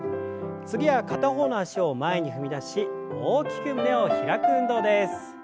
次は片方の脚を前に踏み出し大きく胸を開く運動です。